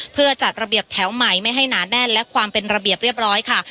เพื่อจัดระเบียบแถวใหม่ไม่ให้หนาแน่นและความเป็นระเบียบเรียบร้อยค่ะ